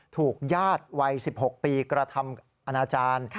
ถูกญาติวัย๑๖ปีกระทำอนาจารย์